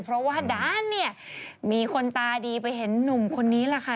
เพราะว่าด้านเนี่ยมีคนตาดีไปเห็นหนุ่มคนนี้แหละค่ะ